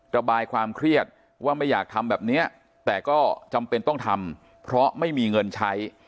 ระบายความเครียดว่าไม่อยากทำแบบนี้แต่ก็จำเป็นต้องทำเพราะไม่มีเงินใช้